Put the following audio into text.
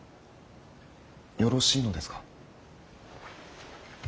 よろしいのですか。